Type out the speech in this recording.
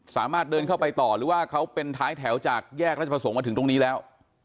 สามารถเดินเข้าไปต่อหรือว่าเขาเป็นท้ายแถวจากแยกราชประสงค์มาถึงตรงนี้แล้ว